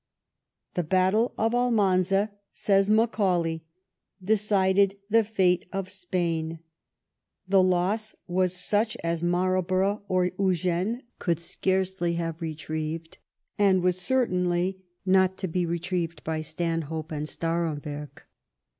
" The battle of Almanza," says Macaulay, " decided the fate of Spain. The loss was such as Marlborough or Eugene could scarcely have retrieved, and was cer tainly not to be retrieved by Stanhope and Staremberg."